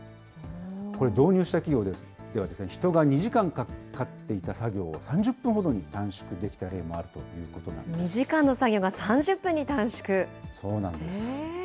これ、導入した企業では、人が２時間かかっていた作業を３０分ほどに短縮できた例もあると２時間の作業が３０分に短縮。